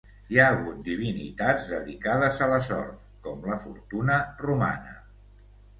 Hi ha hagut divinitats dedicades a la sort, com la Fortuna romana.